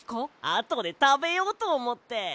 あとでたべようとおもって。